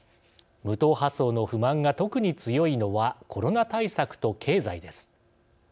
無党派層の不満が特に強いのはコロナ対策と経済です。